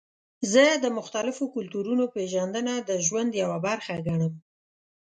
زه د مختلفو کلتورونو پیژندنه د ژوند یوه برخه ګڼم.